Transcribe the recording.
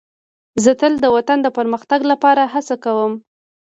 زه تل د وطن د پرمختګ لپاره هڅه کوم.